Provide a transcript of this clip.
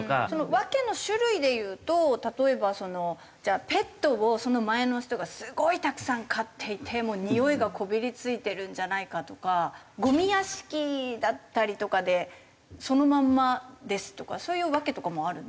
訳の種類でいうと例えばじゃあペットを前の人がすごいたくさん飼っていてにおいがこびりついてるんじゃないかとかゴミ屋敷だったりとかでそのまんまですとかそういう訳とかもあるんですか？